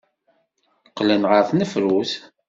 Qqlen ɣer tnefrut.